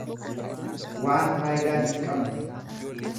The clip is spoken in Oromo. Waan faayidaa hin qabne.